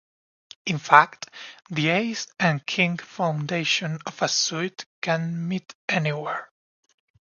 In fact, the ace and king foundation of a suit can meet anywhere.